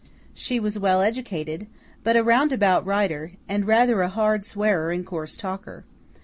She was well educated, but a roundabout writer, and rather a hard swearer and coarse talker.